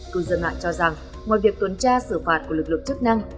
cư dân mạng cho rằng ngoài việc tuần tra xử phạt của lực lượng chức năng